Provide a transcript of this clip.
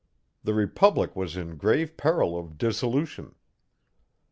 The Republic was in grave peril of dissolution.